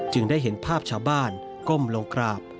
ได้เห็นภาพชาวบ้านก้มลงกราบ